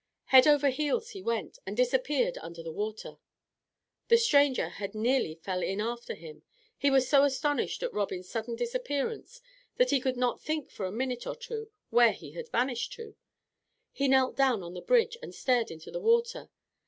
Head over heels he went, and disappeared under the water. The stranger very nearly fell in after him. He was so astonished at Robin's sudden disappearance that he could not think for a minute or two where he had vanished to. He knelt down on the bridge, and stared into the water.